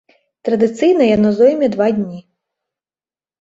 Традыцыйна яно зойме два дні.